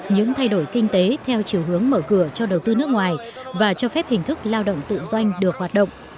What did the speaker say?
những thay đổi kinh tế theo chiều hướng mở cửa cho đầu tư nước ngoài và cho phép hình thức lao động tự doanh được hoạt động